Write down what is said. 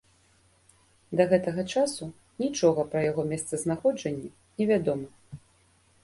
Да гэтага часу нічога пра яго месцазнаходжанне не вядома.